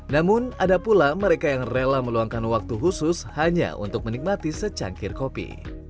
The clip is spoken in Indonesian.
namun ada pula mereka yang rela meluangkan waktu khusus hanya untuk menikmati secangkir kopi